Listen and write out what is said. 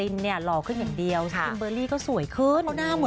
สวยดีสระยอม